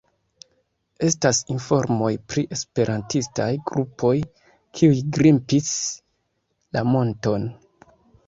Estas informoj pri esperantistaj grupoj, kiuj grimpis la monton.